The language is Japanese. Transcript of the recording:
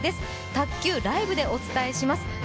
卓球、ライブでお伝えします。